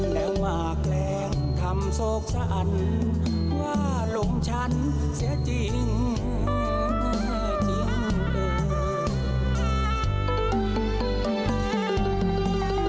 แล้วมาแกล้งทำโศกสะอันว่าลุงฉันเสียจริงแท้จริงเปล่า